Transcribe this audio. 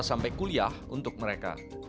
sampai kuliah untuk mereka